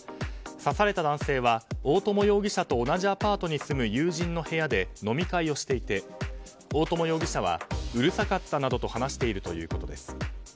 刺された男性は大友容疑者と同じアパートに住む友人の部屋で飲み会をしていて大友容疑者はうるさかったなどと話しているということです。